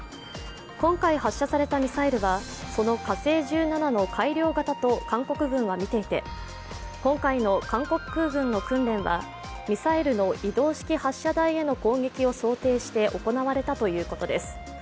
今回発射されたミサイルはその火星１７の改良型と韓国軍はみていて、今回の韓国空軍の訓練はミサイルの移動式発射台への攻撃を想定して行われたということです。